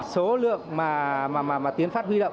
số lượng mà tiến pháp huy động